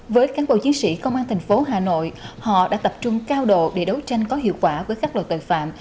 với cán bộ chiến sĩ công an thành phố hà nội họ đã tập trung cao độ để đấu tranh có hiệu quả với các loại tội phạm